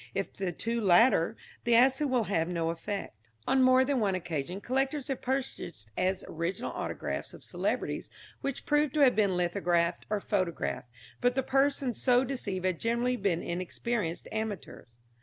If the two latter, the acid will have no effect. On more than one occasion collectors have purchased as original autographs of celebrities which proved to have been lithographed or photographed, but the persons so deceived have generally been inexperienced amateurs.